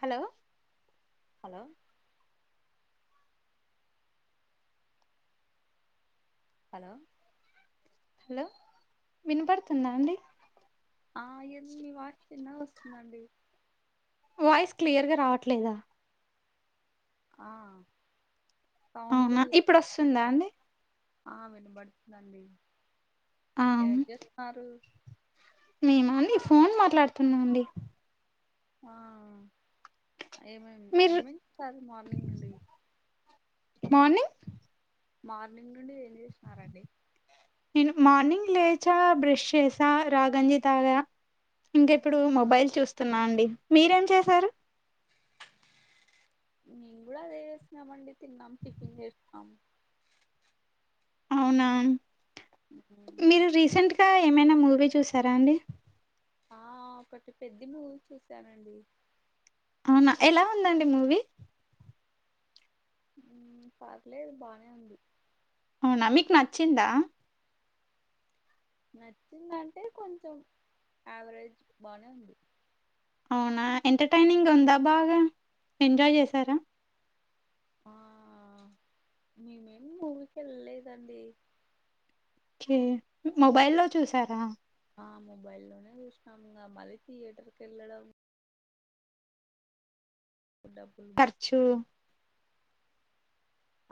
Hello hello hello hello వినపడుతుందా అండి. ఆ ఎం మీ వాయిస్ చిన్నగా వస్తుందండి. వాయిస్ క్లియర్గా రావట్లేదా? ఆ సౌండ్ అవునా ఇప్పుడస్తుందా చిన్న అండి. ఆ వినబడుతుందండి. ఆ ఏం చేత్తార్రు? మేమా అండి ఫోన్ మాట్లాడుతున్నా అండి. ఆ ఏమేమి, మీరు ఏమేమిస్తారు మార్నింగ్ నుండి. మార్నింగ్ మార్నింగ్ నుండి ఏం చేశినారండి? నేను మార్నింగ్ లేచా, బ్రష్ చేసా, రాగంజి తాగా. ఇంక ఇప్పుడు మొబైల్ చూస్తున్నా అండి. మీరేం చేసారు? మేం గూడ అదే చేసినామండి తిన్నం, టిఫిన్ చేశినాం. అవునా మ్మ్. మీరు రీసెంట్గా ఏమైనా ముూవీ చూసారా అండి? ఆ ఒకటి పెద్ది మూవీ చూసానండి. అవునా ఎలా ఉందండి మూవీ? పర్లేదు బానే ఉంది. అవునా మీకు నచ్చిందా? నచ్చిందా అంటే, కొంచం యావరేజ్ బానే ఉంది. అవునా ఎంటర్టైనింగా ఉందా బాగా, ఎంజాయ్ చేసార? ఆ, మేమేమి మూవీకి వెళ్ళలేదండి ఓకే మొబైల్ లో చూసారా ఆ మొబైల్లోనే చూసినాము ఇంగా మళ్ళీ థియేటర్ కి వెళ్ళడం డబ్బులు ఖర్చు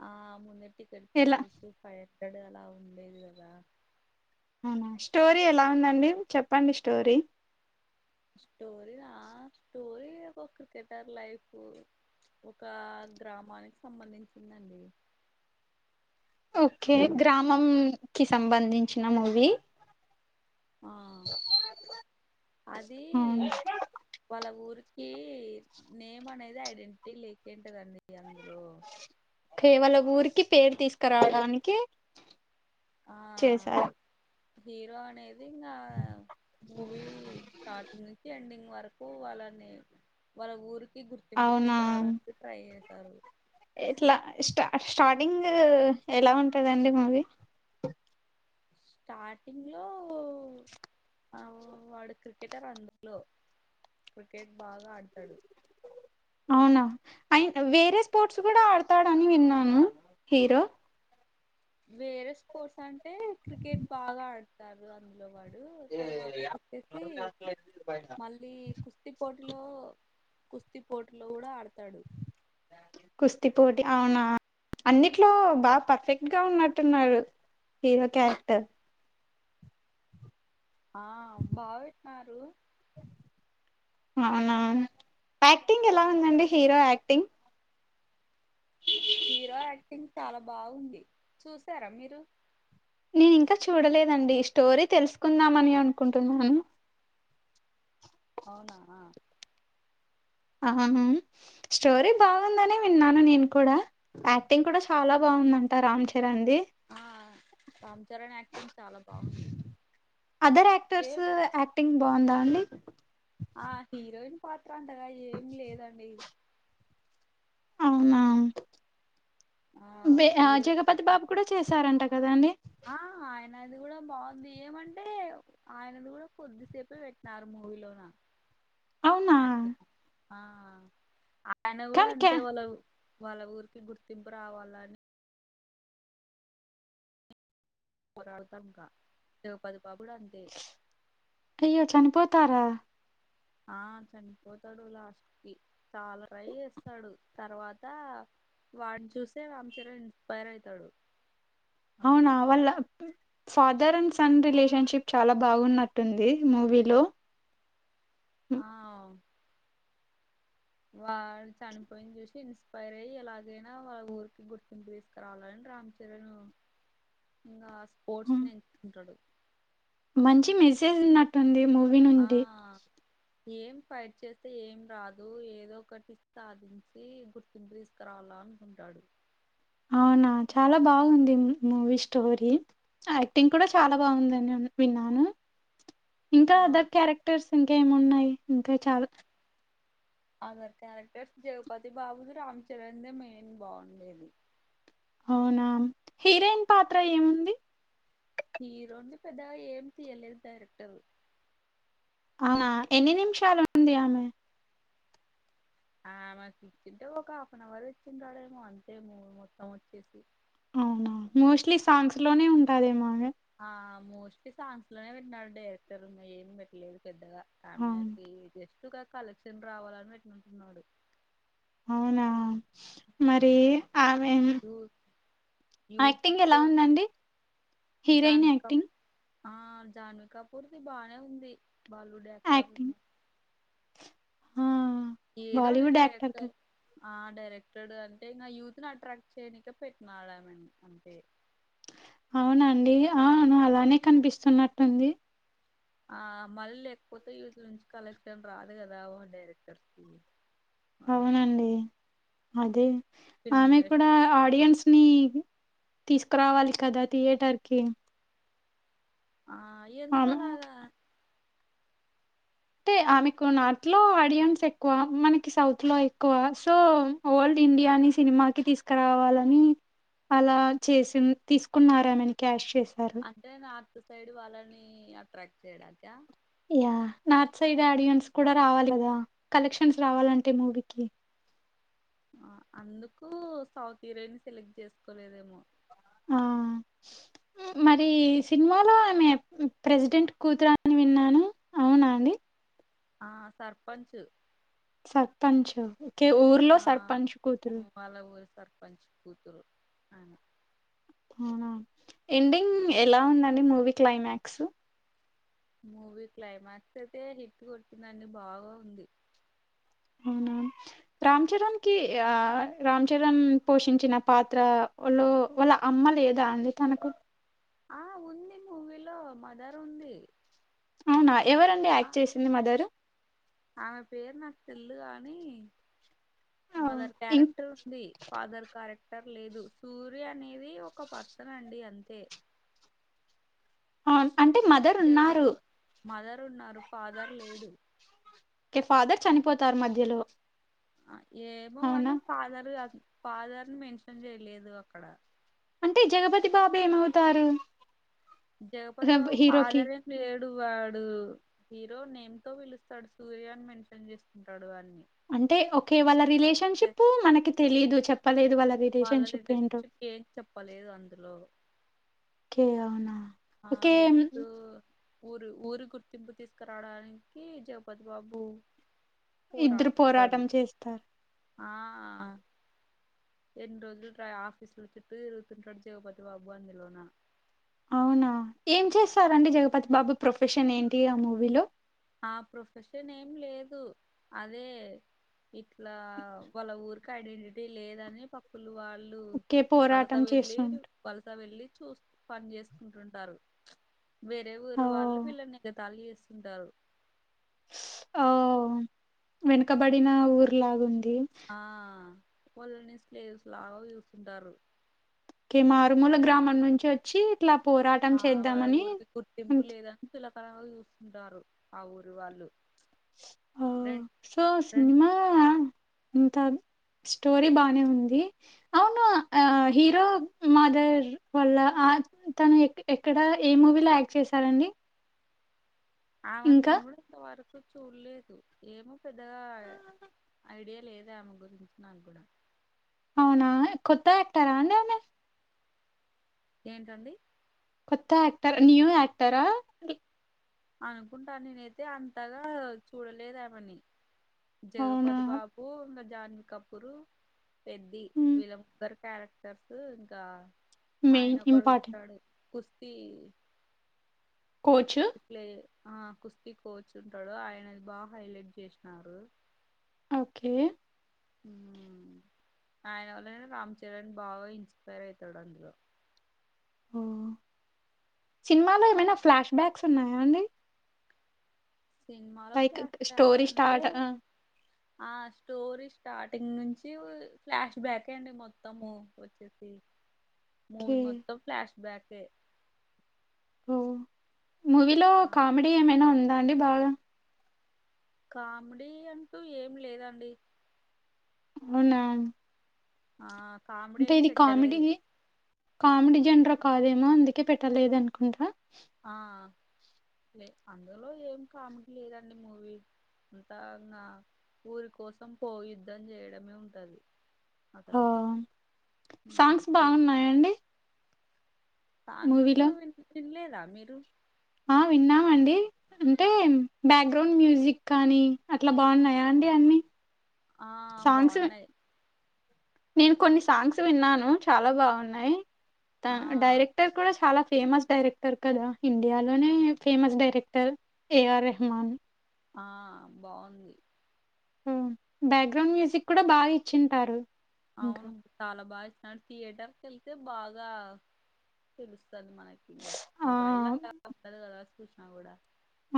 ఆ ముందే టికెట్ ఎలా ప్రైసెస్ హండ్రెడ్ అలా ఉండేవి కదా అవునా స్టోరీ ఎలా ఉందండి చెప్పండి స్టోరీ స్టోరి ఆ స్టోరీ ఒక క్రికెటర్ లైఫ్ ఒక గ్రామానికి సంబంధించింది అండి ఓకే గ్రామం కి సంబంధించిన మూవీ ఆ అది అవును. వాళ్ళ ఊరు కి నేమ్ అనేది ఐడెంటిటీ లేకొయింటదండి అందు కేవలం ఊరికి పేరు తీసుకురావడానికి ఆ చేసా హీరో అనేది అనేది ఇంగా మూవీ స్టార్టింగ్ నుంచి ఎండింగ్ వరకు వాళ్ళని వాళ్ళ ఊరు గుర్తింపు అవునా తీసుకురావడానికి ట్రై చేశారు ఇట్లా స్టా స్టార్టింగ్ ఎలా ఉంటాదండి మూవీ స్టార్టింగ్ లో వాడు క్రికెటర్ అందులో క్రికెట్ బాగా ఆడతాడు అవునా అయి వేరే స్పోర్ట్స్ కూడా ఆడతాడని విన్నాను హీరో వేరే స్పోర్ట్స్ అంటే క్రికెట్ బాగా ఆడతారు అందులో వాడ్ తర్వాత కుచ్చేసి మళ్ళీ కుస్తీ పోటీలో కుస్తీ పోటీల్లో కూడ అడ కుస్తీ పోటీ అవునా అన్నిట్లో బాగా పర్ఫెక్ట్ గా ఉన్నట్టున్నాడు హీరో క్యారెక్టర్ ఆ బాగపెట్టినారు అవునా యాక్టింగ్ ఎలా ఉందండి హీరో యాక్టింగ్ హీరో యాక్టింగ్ చాలా బాగుంది చూసారా మీరు నేను ఇంకా చూడలేదండి స్టోరీ తెలుసుకుందామని అనుకుంటున్నాను అవునా ఆహహ స్టోరీ బాగుందని విన్నాను నేను కూడ యాక్టింగ్ కూడా చాలా బాగ బాగుందంట రామ్ చరణ్ ది ఆ రామ్ చరణ్ యాక్టింగ్ చాలా బాగుంది అదర్ ఓకే యాక్టర్స్ యాక్టింగ్ బాగుందా అండి ఆ హీరోయిన్ పాత్ర అంతగా ఏం లేదండి అవునా ఆ దే హీరో జగపతి బాబు కూడా చూసారంట కదా అండి ఆ ఆయనది కూడా బాగుంది ఏమంటే ఆయనది కూడా కొద్దిసేపే పెట్టినారు మూవీలోన అవునా అదే ఆ ఆయన కూడా కానీ క్యా అంతే వాళ్ళ ఉ వాళ్ళ ఊరికి గుర్తింపు రావల్ల అని పోరాడుతారు ఇంకా జగపతి బాబు కూడా అంతే ఇత్తార ఆ చనిపోతాడు లాస్ట్ కి చాలా రయ్యి వస్తాడు తర్వాత వాడుని చూసే రామ్ చరణ్ ఇన్ స్పెయిర్ అయితాడు అవునా అందులో వల్ల ఫాదర్ అండ్ సన్ రిలేషన్షిప్ చాలా బాగున్నట్టుంది మూవీలో ఆ హ్మ్. వాళ్ళు చనిపోయింది చూసి ఇన్స్పైర్ అయ్యి ఎలాగైనా వాళ్ళ ఊరికి గుర్తింపు తీసుకరావలని రామ్ చరణ్ ఇంకా స్పోర్ట్స్ హ్మ్. ని ఎంచుకుంటాడు మంచి మెసేజ్ ఉన్నట్టుంది మూవీ ఆ నుండి ఏం ఫైట్ చేస్తే ఏం రాదు ఏదో ఒకటి సాధించి గుర్తింపు తీసుకరావాల అనుకుంటాడు అవునా చాలా బాగుంది మూవీ స్టోరీ యాక్టింగ్ కూడా చాలా బాగుందండి. విన్నాను ఇంకా ఆ దట్ క్యారెక్టర్స్ ఇంకా ఏమున్నాయి ఇంకా చాలు అదర్ క్యారెక్టర్స్ జగపతి బాబుది రామ్ చరణ్ దే మెయిన్ బాగుండేది అవునా హీరోయిన్ పాత్ర ఏముంది హీరో ని పెద్దగా ఏం తీయలేదు డైరెక్టర్ ఆవున ఎన్ని నిమిషాలు ఉంది ఆమె ఆ మాకు ఇచ్చింటే ఒక హాఫ్ అన్ అవర్ ఇచ్చిండడేమో అంతే మూవీ మొత్తం వచ్చేసి అవునా మోస్ట్లీ సాంగ్స్ లోనే ఉంటదేమే గా ఆ మోస్ట్లీ సాంగ్స్ లోనే పెట్టినాడు డైరెక్టర్ ఉ ఏం పెట్టలేదు పెద్దగా అవును. ఆమెకి జస్ట్ ఒక కలెక్షన్ రావాలని పెట్టింటున్నాడు. అవునా మరి ఆమె యూత్ యాక్టింగ్ ఎలా ఉందండి హీరోయిన్ జాన్వి కపూ యాక్టింగ్ ఆ జాన్వీ కపూర్ది బానే ఉంది. Bollywood actor acting. ఆ! ఏదొ ఒక బాలీవుడ్ యాక్టర్ డైరెక్టర్ కదా! ఆ డైరెక్టర్డ్ అంటే నా యూత్ ని అట్రాక్ట్ చేయనికే పెట్టినాడుమెను అంతే అవునండి అవును అలానే కనిపిస్తున్నట్టుంది. ఆ మళ్ళీ లేకపోతే యూత్ నుంచి కలెక్షన్ రాదు కదా డైరెక్టర్స్ కి వాళ్ళకి అవునండి. అదే ఫిల్మ్ ఆమె ఇండస్ట్రీ కూడా ఆడియన్స్ ఉహ్ తీసుకురావాలి కదా థియేటర్ కి ఆ ఎందుకు ఆమె ఆలాగా అంటే ఆమెకు నార్త్ లో ఆడియన్స్ ఎక్కువ మనకి సౌత్ లో ఎక్కువ సో ఓల్డ్ ఇండియాని సినిమాకి తీసుకురావాలని అలా చేసి తీసుకున్నారే మేని క్యాష్ చేశారు అంటే నార్త్ సైడ్ వాళ్ళని అట్రాక్ట్ చేయడానీక యా నార్త్ సైడ్ ఆడియన్స్ కూడా రావాలి కదా కలెక్షన్స్ రావాలంటే మూవీకి ఆ అందుకు సౌత్ హీరోయిన్స్ ని సెలెక్ట్ చేసుకోలేదేమో ఆ హ్ మరి సినిమాలో ఆమె ప్రెసిడెంట్ కూతురని విన్నాను అవునా అండి ఆ సర్పంచ్ సర్పంచ్ ఓకే ఊర్లో ఆ సర్పంచ్ కూతురు వాళ్ళ ఊరి సర్పంచ్ కుతురు అని అవునా ఎండింగ్ ఎలా ఉందండి మూవీ క్లైమాక్స్ మూవీ క్లైమాక్స్ అయితే హిట్ కొటిందండి బాగా ఉంది. అవునా రామ్ చరణ్ కి ఆ రామ్ చరణ్ పోషించిన పాత్ర లో వాళ్ళ అమ్మ లేదా అండి తనకు ఆ ఉంది మూవీలో మదర్ ఉంది అవునా ఎవరండి ఆ యాక్ట్ చేసింది మదరు ఆమె పేరు నాకు తెల్దు కాని మదర్ ఇం కారెక్టర్ ఉంది ఫాదర్ కారెక్ క్టర్ లేదు సూర్య అనేది ఒక పర్సన్ అండి అంతే అవున్ అంటే మదర్ ఉన్నారు జగపతి మదర్ ఉన్నారు ఫాదర్ లేడు ఓకే ఫాదర్ చనిపోతారు మధ్యలో ఏమో అవునా అని ఫాదరు ఫాదర్ న్ మెన్షన్ చేయ్లేదు అక్కడ అంటే జగపతి బాబు ఏమవుతారు? జగపతి బాబు హీరోకి ఫాదరేం లేద్ డు వాడు హీరో నేమ్ తో పిలుస్తాడు సూర్యని మెన్షన్ చేస్తుంటాడు అన్ అంటే ఒకే వాళ్ళ రిలేషన్షిప్ మనకి తెలీదు చెప్పలే వాళ్ళది జస్ట్ కేం చెప్పలేదు అందులో ఏ అవునా? ఆ ఓకే జస్టు ఊరి ఊరి గుర్తింపు తీసుకురావడానికి జగపతి బాబు ఇద్దరు పోరాడుతుంటాడు పోరాటం చేస్తారు ఆ ఎన్ రోజుల్ ఆఫీసుల్ చుట్టూ తిరుగుతుంటాడు జగపతి బాబు అందులోన అవునా ఏం చేస్తారండి జగపతి బాబు ప్రొఫెషన్ ఏంటి ఆ మూవీలో ఆ ప్రొఫెషన్ ఏం లేదు అదే ఇట్లా వాళ్ళ ఊరికి ఐడెంటిటీ లేదని పప్పు వాళ్ళు ఓకే వలస పోరాటం వెళ్ళి చేస్తుంట వలస వెళ్ళి చూస్ పని చేసుకుంటుంటారు వేరే ఓ ఊరు వాళ్ళు వీల్లని ఎగతాళి చేస్ ఉంటారు ఒ వెనకబడిన ఊర్లాగుంది ఆ వాళ్ళని స్లేవ్స్ లాగా చూస్తారు కే మారుమూల గ్రామం నుంచి వచ్చి ఇట్లా పోరాటం ఆ వాళ్ళ చేద్దామని ఊరికి గుర్తింపు అంత్- లేదని చులకన గా చూస్తుంటారు ఆ ఊరు వాళ్ళు హో రెం సో రెం సినిమా ఇంత స్టోరీ బానే ఉంది అవును ఆ హీరో మదర్ వాల్ల యాక్ తను ఎక్ ఎక్కడ ఏ మూవీలో యాక్ట్ చేశారండి? ఆవిడ్ని ఇంకా నేను ఇంతవరకు చూడ్లేదు ఏమో పెద్దగా ఐడియా లేదు ఆమె గురించి నా గూడా అవునా కొత్త యాక్టరా అండి ఆమె ఏంటండి? కొత్త ఆక్టర్ నూ యాక్టరా? అనుకుంటా నేనైతే అంతగా చూడలేదు ఆమెని అవునా జగపతి బాబు ఇంగ జాన్ కపురు పెద్ది హ్మ్. వీల్ల ముగ్గరు క్యారెక్టర్స్ ఇంకా ఆయన మెయిన్ ఇంపార్టెంట్ ఒకడుంటాడు కుస్తీ కోచ్ కుస్తీ ప్లే ఆ కుస్తీ కోచ్ ఉంటాడు ఆయనది బాగా హైలైట్ చేసినారు ఓకే హ ఆయన వల్ల రామ్ చరణ్ బావ ఇన్స్పైర్ అయితాడు అందులో హూ సినిమాలో ఏమైనా ఫ్లాష్ బ్యాక్స్ ఉన్నాయా అండి సినిమాలో లైక్ ఫ్లాష్ బ్లాక్స్ స్టోరీ అంటే స్టార్ట్ ఆ! అ స్టోరీ స్టార్టింగ్ నుంచి ఫ్లాష్ బ్యాకే అండి మొత్తము వచ్చేసి [inaudible] మూవీ మొత్తం ఫ్లాష్ బ్యాకే మూవీలో ఆ కామెడీ ఏమైనా ఉందా అండి బాగ కామెడీ అంటూ ఏం లేదండి అవున అ కామెడీ ఏం పెట్టలేదు కామెడీ జెండర్ కాదేమో అందుకే పెట్టలేదనుకుంట అ లే అందులో ఏం కామెడీ లేదండి మూవీ లో అంతా నా ఊరి కోసం పోయి యుద్ధం చేయడమే ఉంటది ఓ అతను ఉమ్, సాంగ్స్ ఈ బావున్నాయండి సాంగ్స్ వి విన్లేదా మీరు అ విన్నామండి అంటే బాగ్రౌండ్ మ్యూజిక్ కానీ అట్లా బాగున్నాయా అండి అన్ని అ సాంగ్స్ బావునై నేను కొన్ని సాంగ్స్ విన్నాను చాలా బాగునై ఆ డైరెక్టర్ కూడా చాలా ఫేమస్ డైరెక్టర్ కదా ఇండియాలోనే ఫేమస్ డైరెక్టర్ ఏఆర్ రెహమాన్ అ బావుంది ఉమ్ బాగ్రౌండ్ మ్యూజిక్ కూడా బాగా ఇచ్చింటారు ఇంకా అవును చాలా బాగా ఇచ్చినాడు [inaudible] థియేటర్కి వెళ్తే బాగా తెలుస్ మనకి ఇంగ ఆ మొబైల్ ల [unintelligible] చూసిన కూడా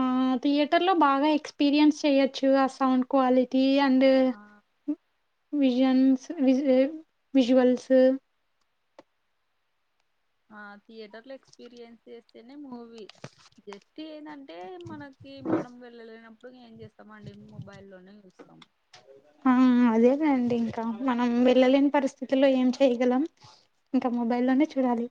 అ థియేటర్ లో బాగా ఎక్స్పీరియన్స్ చెయ్యొచ్చు అ సౌండ్ క్వాలిటీ అండ్ ఆ విజన్స్ విజువల్స్ అ థియేటర్ లో ఎక్స్పీరియన్స్ చేస్తేనే మూవీ జస్ట్ ఏందంటే టే మనకి మనం వెళ్ళలేనప్పుడు ఏం చేస్తాం అండి మొబైల్ లోనే చూస్తాం అ అదేలేండి ఇంక మనం వెళ్ళలేని పరిస్థితుల్లో ఏం చేయగలం ఇంక మొబైల్ లోనే చూడాలి